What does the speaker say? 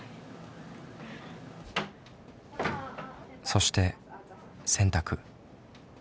そして洗濯。